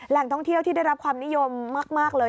ท่องเที่ยวที่ได้รับความนิยมมากเลย